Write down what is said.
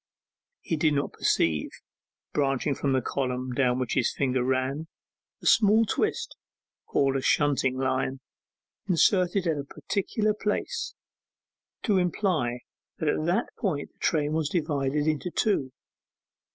He did not perceive, branching from the column down which his finger ran, a small twist, called a shunting line, inserted at a particular place, to imply that at that point the train was divided into two.